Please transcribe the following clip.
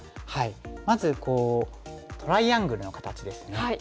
まずトライアングルの形ですね。